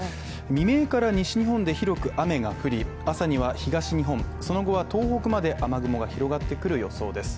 未明から西日本で広く雨が降り朝には東日本、その後は東北まで雨雲が広がってくる予想です。